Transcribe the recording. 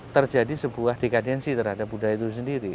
terjadi sebuah dekadensi terhadap budaya itu sendiri